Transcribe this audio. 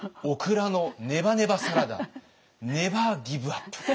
オクラのネバネバサラダでネバーギブアップ！」。